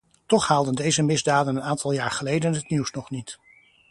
Toch haalden deze misdaden een aantal jaar geleden het nieuws nog niet.